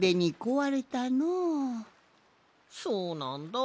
そうなんだ。